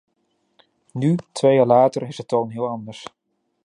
Nu, twee jaar later, is de toon heel anders.